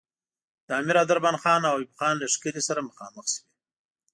د امیر عبدالرحمن خان او ایوب خان لښکرې سره مخامخ شوې.